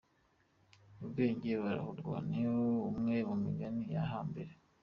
Ubwenge burarahurwa ni umwe mu nigani yo hambere.